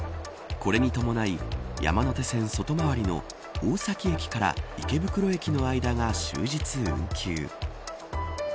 これに伴い、山手線外回りの大崎駅から池袋駅の間が終日運休。